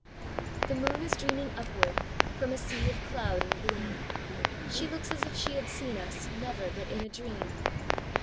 The moon is dreaming upward From a sea of cloud and gleam; She looks as if she had seen us Never but in a dream.